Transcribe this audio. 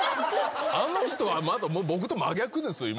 あの人は僕と真逆ですよ。